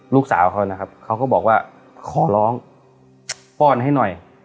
ลูกสาวเขานะครับเขาก็บอกว่าขอร้องป้อนให้หน่อย